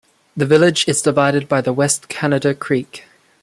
The village is divided by the West Canada Creek.